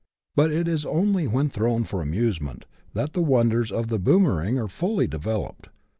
But it is only when thrown for amusement that the wonders of the boomering are fully developed.